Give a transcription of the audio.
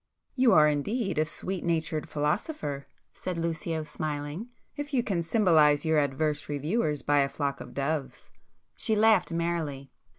"You are indeed a sweet natured philosopher"—said Lucio smiling, "if you can symbolize your adverse reviewers by a flock of doves!" She laughed merrily.